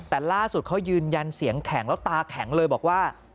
แต่ล่าสุดเขายืนยันเสียงแข็งแล้วตาแข็งเลยบอกว่า